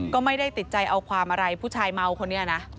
ก็ไม่ได้ติดใจเอาความอะไรผู้ชายเมาคนนี้นะ